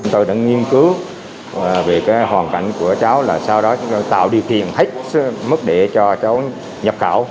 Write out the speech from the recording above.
chúng tôi đã nghiên cứu về hoàn cảnh của cháu là sau đó tạo điều khiển hết mức để cho cháu nhập khảo